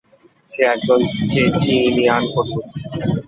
সে একজন চেচিনিয়ান কোটিপতি।